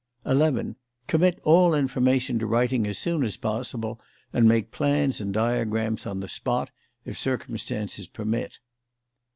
11. Commit all information to writing as soon as possible, and make plans and diagrams on the spot, if circumstances permit.